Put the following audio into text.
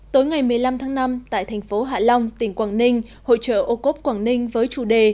tối ngày một mươi năm tháng năm tại thành phố hạ long tỉnh quảng ninh hội trợ ô cốp quảng ninh với chủ đề